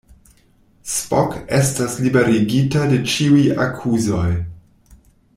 Spock estas liberigita de ĉiuj akuzoj.